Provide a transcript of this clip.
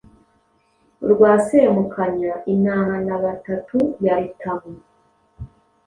urwa Semukanya intahanabatatu ya Rutamu